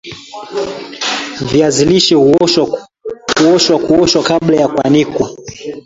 viazi lishe huoshwa kuoshwa kabla ya kuanikwa